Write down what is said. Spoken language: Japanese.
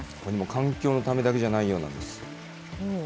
環境のためだけじゃないようなんです。